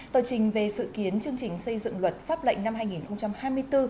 tờ trình về sự kiến chương trình xây dựng luật pháp lệnh năm hai nghìn hai mươi bốn